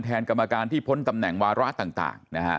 กรรมการที่พ้นตำแหน่งวาระต่างนะฮะ